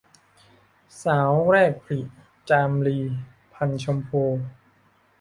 สาวแรกผลิ - จามรี พรรณชมพู